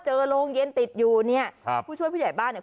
โรงเย็นติดอยู่เนี่ยครับผู้ช่วยผู้ใหญ่บ้านเนี่ย